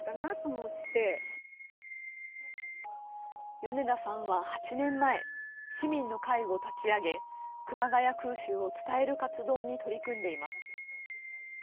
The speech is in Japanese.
米田さんは８年前、市民の会を立ち上げ熊谷空襲を伝える活動に取り組んでいます。